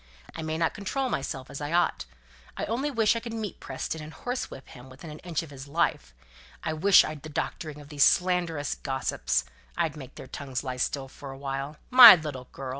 "I may not control myself as I ought. I only wish I could meet Preston, and horsewhip him within an inch of his life. I wish I'd the doctoring of these slanderous gossips. I'd make their tongues lie still for a while. My little girl!